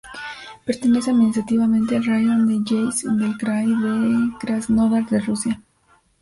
Pertenece administrativamente al raión de Yeisk del krai de Krasnodar de Rusia.